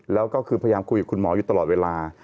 แล้วก็คือพยายามคุยกับคุณหมออยู่ตลอดเวลา